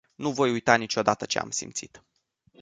Nu voi uita niciodată ce am simțit.